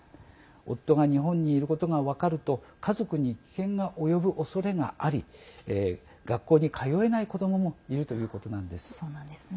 夫が日本にいることが分かると家族に危険が及ぶおそれがあり学校に通えない子どももいるということなんです。